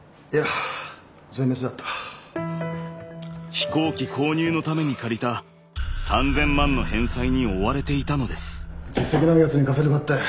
飛行機購入のために借りた３０００万の返済に追われていたのです。